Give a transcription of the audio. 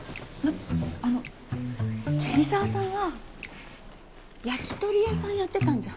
あの桐沢さんは焼き鳥屋さんやってたんじゃ？